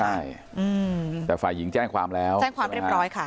ใช่แต่ฝ่ายหญิงแจ้งความแล้วแจ้งความเรียบร้อยค่ะ